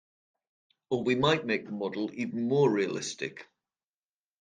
Or we might make the model even more realistic.